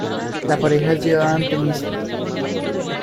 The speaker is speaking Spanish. La pareja es llevada ante Mr.